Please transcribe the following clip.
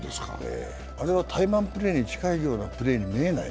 あれは怠慢プレーに近いようなプレーに見えない？